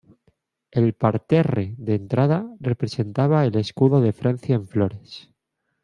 El parterre de entrada representaba el escudo de Francia en flores.